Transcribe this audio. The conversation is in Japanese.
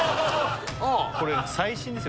これ最新ですよ